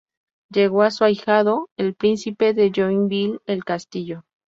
Legó a su ahijado, el príncipe de Joinville el castillo.